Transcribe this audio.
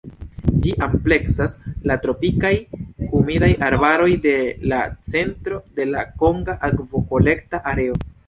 Ĝi ampleksas la tropikaj humidaj arbaroj de la centro de la konga akvokolekta areo.